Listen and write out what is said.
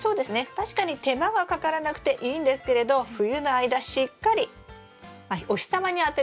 確かに手間がかからなくていいんですけれど冬の間しっかりお日様に当てるということがとても大事です。